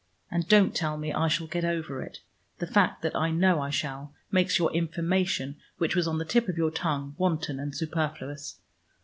And don't tell me I shall get over it. The fact that I know I shall, makes your information, which was on the tip of your tongue, wanton and superfluous.